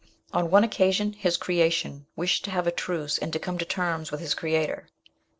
On one occasion his creation wished to have a truce and to come to terms with his creator.